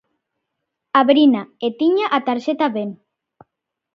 Abrina, e tiña a tarxeta ben.